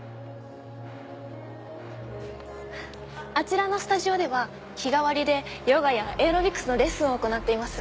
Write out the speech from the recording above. あちらのスタジオでは日替わりでヨガやエアロビクスのレッスンを行っています。